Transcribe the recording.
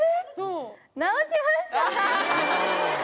治しました！